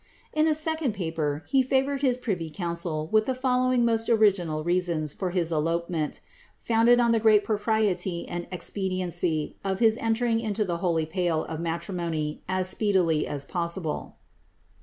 In a second paper, he favoured his privy council with the following most original reasons for his elopenrent, fouzided on the great proprie;v and expediency of his entering into the holy pale of iiiairiiuouv u speedily as possible.